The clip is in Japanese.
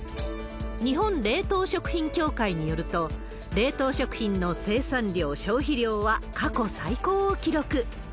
日本冷凍食品協会によると、冷凍食品の生産量、消費量は過去最高を記録。